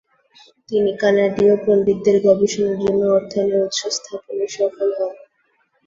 তিনি কানাডীয় পন্ডিতদের গবেষণার জন্য অর্থায়নের উৎস স্থাপনে সফল হন।